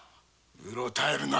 うろたえるな！